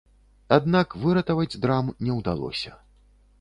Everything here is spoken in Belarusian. Аднак выратаваць драм не ўдалося.